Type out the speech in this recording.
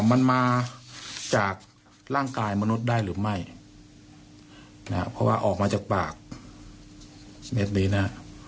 มันมาจากร่างกายมนุษย์ได้หรือไม่นะครับเพราะว่าออกมาจากปากเม็ดนี้นะฮะ